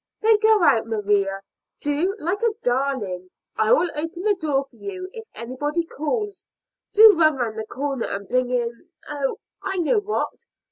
"Then go out, Maria; do, like a darling. I will open the door for you if anybody calls. Do run round the corner and bring in Oh! I know what.